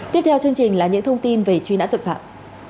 tiếp theo chương trình là những thông tin về truy nã tội phạm